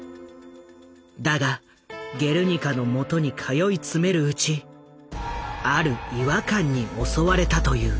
だが「ゲルニカ」のもとに通い詰めるうちある違和感に襲われたという。